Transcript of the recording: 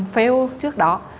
fail trước đó